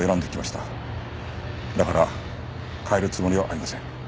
だから変えるつもりはありません。